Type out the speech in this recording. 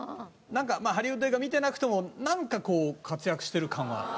なんかハリウッド映画見てなくてもなんかこう活躍してる感はある。